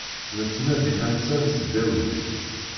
Nettnadi tansa n tesdawit.